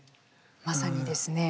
まさにですね